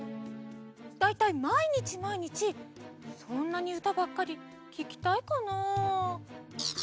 だいたいまいにちまいにちそんなにうたばっかりききたいかな？